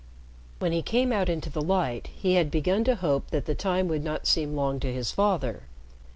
When he came out into the light, he had begun to hope that the time would not seem long to his father.